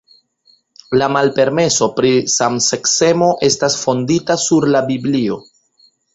La malpermeso pri samseksemo estas fondita sur la Biblio.